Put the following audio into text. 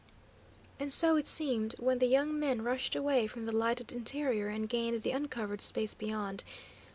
And so it seemed, when the young men rushed away from the lighted interior and gained the uncovered space beyond.